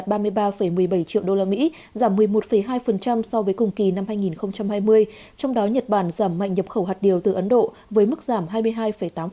trong đó giảm một mươi một hai so với cùng kỳ năm hai nghìn hai mươi trong đó nhật bản giảm mạnh nhập khẩu hạt điều từ ấn độ với mức giảm hai mươi hai tám